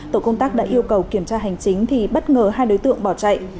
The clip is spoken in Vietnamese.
tổ công tác đã yêu cầu kiểm tra hành chính thì bất ngờ hai đối tượng bỏ chạy